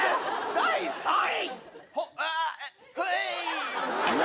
第３位。